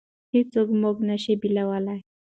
هېڅوک موږ نشي بېلولی.